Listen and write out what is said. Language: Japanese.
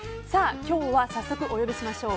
今日は、早速お呼びしましょう。